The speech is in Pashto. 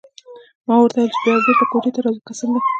ما ورته وویل چې بیا بېرته کوټې ته راځو که څنګه.